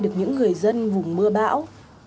được những người dân vùng mưa bão